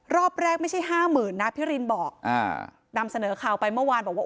รอบแรกไม่ใช่ห้าหมื่นนะพี่รินบอกอ่านำเสนอข่าวไปเมื่อวานบอกว่า